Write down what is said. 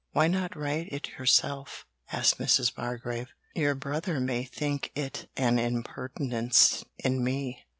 'Why not write it yourself?' asked Mrs. Bargrave. 'Your brother may think it an impertinence in me.'